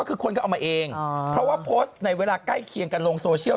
เพราะว่าโปสต์ในเวลาใกล้เคียงกันลงโซเชียล